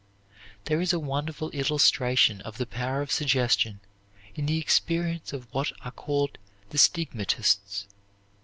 There is a wonderful illustration of the power of suggestion in the experience of what are called the Stigmatists.